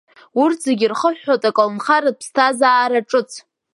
Урҭ зегьы ирхыҳәҳәоит аколнхаратә ԥсҭазаара ҿыц.